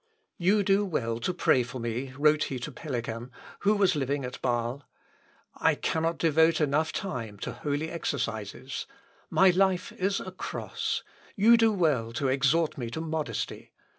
"You do well to pray for me," wrote he to Pellican, who was living at Bâle. "I cannot devote enough of time to holy exercises. My life is a cross. You do well to exhort me to modesty.